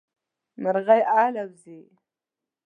مرغی الوزي